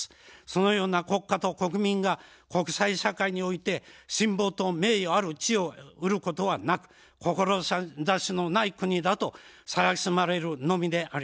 そのような国家と国民が国際社会において信望と名誉ある地位を得ることはなく志のない国だと蔑まれるのみであります。